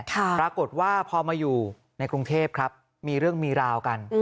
ปรากฏว่าพอมาอยู่ในกรุงเทพครับมีเรื่องมีราวกัน